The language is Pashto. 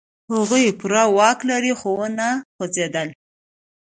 هغوی پوره واک لرلو، خو و نه خوځېدل.